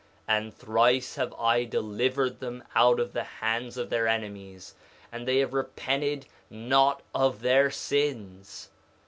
3:13 And thrice have I delivered them out of the hands of their enemies, and they have repented not of their sins.